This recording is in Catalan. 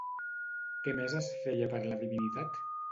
Què més es feia per la divinitat?